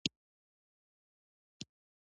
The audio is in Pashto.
د کمېسیون غړي په خونه کې یوازې دي.